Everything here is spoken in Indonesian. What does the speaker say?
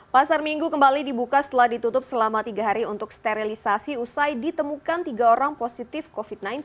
pasar minggu kembali dibuka setelah ditutup selama tiga hari untuk sterilisasi usai ditemukan tiga orang positif covid sembilan belas